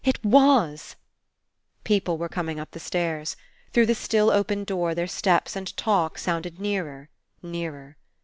"It wasT People were coming up the stairs. Through the still open door their steps and talk sounded nearer, nearer.